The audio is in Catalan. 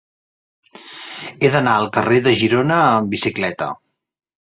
He d'anar al carrer de Girona amb bicicleta.